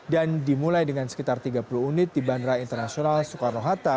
dan dimulai dengan sekitar tiga puluh unit di bandara internasional soekarno hatta